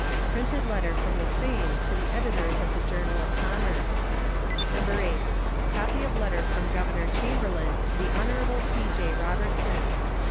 Printed letter from the same to the editors of the Journal of Commerce. No. 8. Copy of letter from Governor Chamberlain to the Hon. T.J. Robertson.